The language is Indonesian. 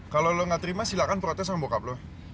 kalau lo gak terima silahkan protes sama bokap lo